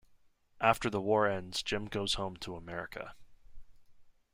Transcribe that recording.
After the war ends, Jim goes home to America.